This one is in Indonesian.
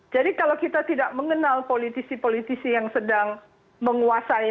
jadi kalau kita tidak mengenal politisi politisi yang sedang menguasai